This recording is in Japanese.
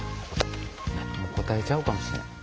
答えちゃうかもしれん。